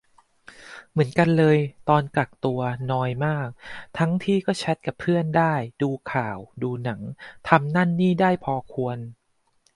เหมือนกันเลย ตอนกักตัว นอยมาก ทั้งที่ก็แชตกับเพื่อนได้ ดูข่าว ดูหนัง ทำนั่นนี่ได้พอควร